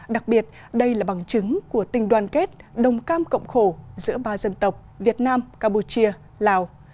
đặc biệt đây là bằng chứng của tình đoàn kết đồng cam cộng khổ giữa ba dân tộc việt nam campuchia lào